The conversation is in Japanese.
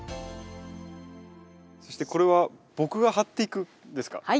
そしてこれは僕が貼っていくんですか？